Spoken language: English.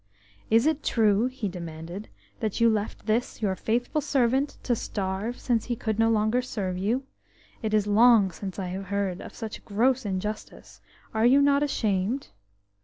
S it true," he demanded, "that you left this, your faithful servant, to starve, since he could no longer serve you? It is long since I heard of such gross injustice–are you not ashamed?"